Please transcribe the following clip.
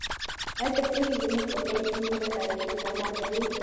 آیا ته پوهېږې چې زموږ پټی څومره تاریخي قدامت لري؟